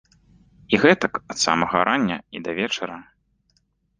І гэтак ад самага рання і да вечара.